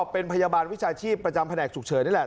เป็นพยาบาลวิชาชีพประจำแผนกฉุกเฉินนี่แหละ